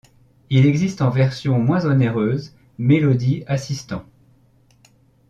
Il existe en version moins onéreuse, Melody Assistant.